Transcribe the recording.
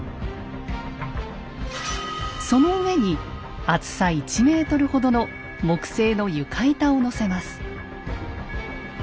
その上に厚さ１ｍほどの木製の床板をのせます。